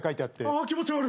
あ気持ち悪い。